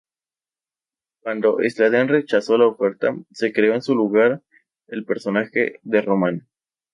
Cuando Sladen rechazó la oferta, se creó en su lugar el personaje de Romana.